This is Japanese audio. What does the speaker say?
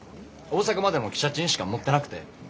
大阪までの汽車賃しか持ってなくて。